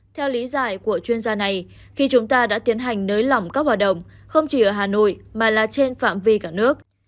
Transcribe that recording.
theo lý giải của chuyên gia này khi chúng ta đã tiến hành nới lỏng các hoạt động không chỉ ở hà nội mà là trên phạm vi cả nước